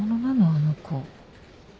あの子。